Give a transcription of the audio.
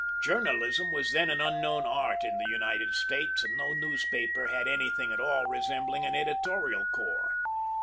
Journalism was then an unknown art in the United States, and no newspaper had anything at all resembling an editorial corps.